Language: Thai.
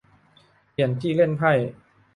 เปลี่ยนที่เล่นไพ่